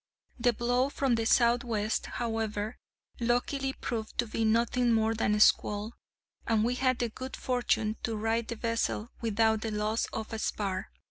The blow from the southwest, however, luckily proved to be nothing more than a squall, and we had the good fortune to right the vessel without the loss of a spar.